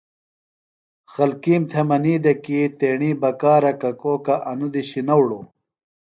خلکِیم تھےۡ منی دےۡ کی تیݨی بکارہ ککوکہ انیۡ دُشیۡ نہ اُڑوئی۔